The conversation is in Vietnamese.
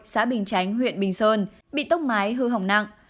xã bình chánh huyện bình sơn bị tốc mái hư hỏng nặng